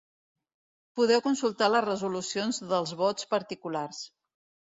Podeu consultar la resolució dels vots particulars.